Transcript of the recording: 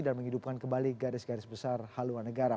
dan menghidupkan kembali garis garis besar haluan negara